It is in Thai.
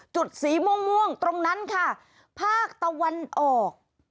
จุดสีม่วงตรงนั้นค่ะภาคตะวันออก